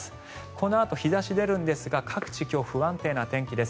このあと日差しが出るんですがこのあと各地不安定な天気です。